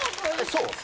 そう？